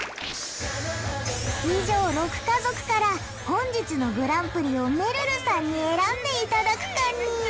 以上６家族から本日のグランプリをめるるさんに選んでいただくかに。